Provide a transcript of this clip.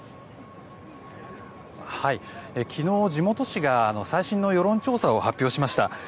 昨日、地元紙が最新の世論調査を発表しました。